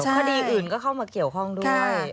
คดีอื่นก็เข้ามาเกี่ยวข้องด้วย